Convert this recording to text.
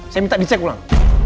saya minta dicek ulang